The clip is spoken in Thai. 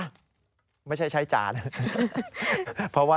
ควรมีจัญญบันในการนำเสนอค่า